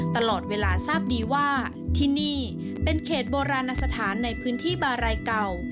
ตลอดเวลาทราบดีว่าที่นี่เป็นเขตโบราณสถานในพื้นที่บารัยเก่า